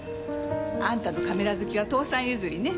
あんたのカメラ好きは父さん譲りね。